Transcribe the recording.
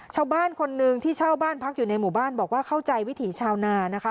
ชาวบ้านคนหนึ่งที่เช่าบ้านพักอยู่ในหมู่บ้านบอกว่าเข้าใจวิถีชาวนานะคะ